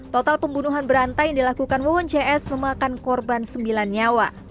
total pembunuhan berantai yang dilakukan wawon cs memakan korban sembilan nyawa